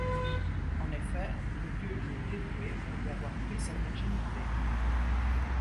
En effet, le dieu lui est dévoué pour lui avoir pris sa virginité.